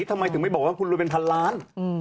ทำไมถึงไม่บอกว่าคุณรวยเป็นพันล้าน